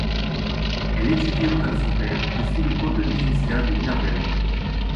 Elle étudie auprès de son père, puis suit les cours de Lizinska de Mirbel.